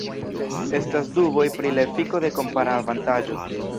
Estas duboj pri la efiko de kompara avantaĝo.